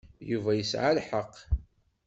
Yuba yesɛa lḥeqq.